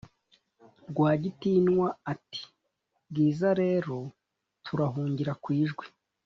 rwagitinwa ati"bwiza rero turahungira kwijwi